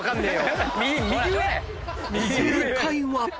［正解は］